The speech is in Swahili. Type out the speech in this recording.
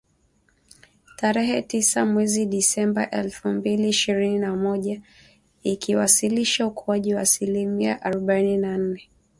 Tarehe Tisa mwezi Disemba elfu mbili ishirini na moja ikiwasilisha ukuaji wa asilimia arubaini na nne